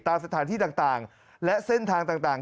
ตามสถานที่ต่างและเส้นทางต่าง